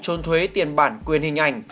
trốn thuế tiền bản quyền hình ảnh